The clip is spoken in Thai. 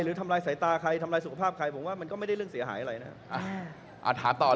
ทำลายสายตาใครทำลายสุขภาพใครผมว่ามันก็ไม่ได้เรื่องเสียหายอะไรนะครับ